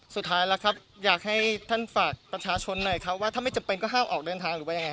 สุดท้ายแล้วครับอยากให้ท่านฝากประชาชนหน่อยครับว่าถ้าไม่จำเป็นก็ห้ามออกเดินทางหรือว่ายังไง